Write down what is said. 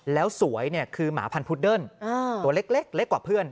แล้วสวยคือหมาพันธุดเดิ้ลตัวเล็กกว่าเพื่อน